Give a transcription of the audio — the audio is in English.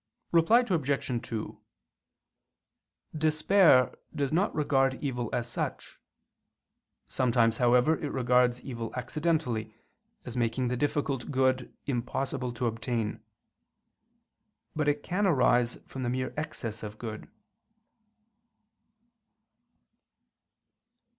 Reply Obj. 2: Despair does not regard evil as such; sometimes however it regards evil accidentally, as making the difficult good impossible to obtain. But it can arise from the mere excess of good.